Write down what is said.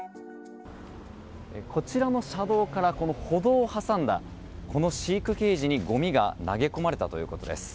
こちらの車道から歩道を挟んだこの飼育ケージに、ごみが投げ込まれたということです。